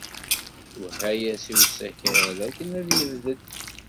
Twehha-as i usakal akken ad yebded.